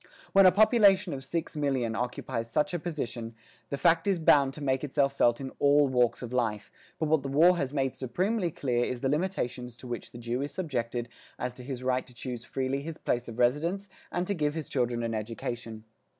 When a population of six million occupies such a position, the fact is bound to make itself felt in all walks of life; but what the war has made supremely clear is the limitations to which the Jew is subjected as to his right to choose freely his place of residence and to give his children an education.